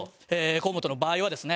河本の場合はですね